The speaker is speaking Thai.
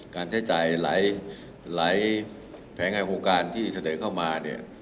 การใช้จ่ายหลายแผงโครงการที่เสด็จเข้ามา